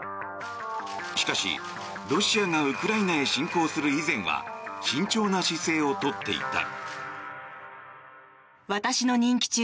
しかし、ロシアがウクライナへ侵攻する以前は慎重な姿勢を取っていた。